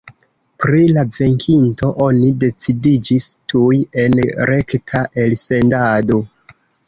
Pri la venkinto oni decidiĝis tuj en rekta elsendado.